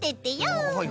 はいはい。